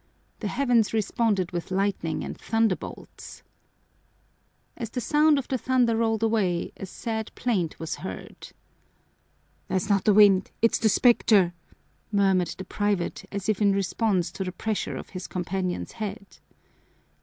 The heavens responded with lightning and thunderbolts! As the sound of the thunder rolled away a sad plaint was heard. "That's not the wind, it's the specter," murmured the private, as if in response to the pressure of his companion's hand.